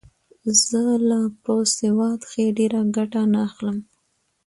زه له په سواد کښي ډېره ګټه نه اخلم.